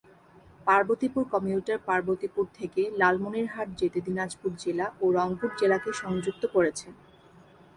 Parbatipur commuter Parbatipur থেকে লালমনিরহাট যেতে দিনাজপুর জেলা ও রংপুর জেলাকে সংযুক্ত করেছে।